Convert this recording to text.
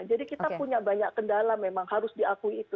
jadi kita punya banyak kendala memang harus diakui itu